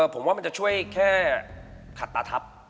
ผมว่ามันจะช่วยแค่ขัดตาทับ